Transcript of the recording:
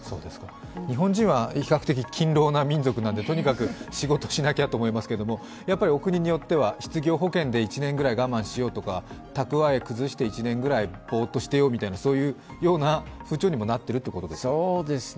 日本人は比較的勤労な民族なのでとにかく仕事しなきゃと思いますけど、お国によっては失業保険で１年ぐらい我慢しようとか蓄え崩して１年くらいボーッとしてようといったそういうような風潮にもなっているということですか。